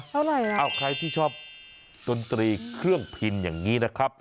เท่าไหร่อ่ะเอาใครที่ชอบดนตรีเครื่องพิมพ์อย่างนี้นะครับ